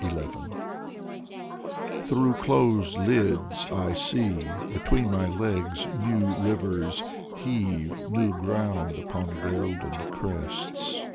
Piotr Oreshin 175 II Through closed lids I see Between my legs new rivers Heave New ground Upon golden Crests.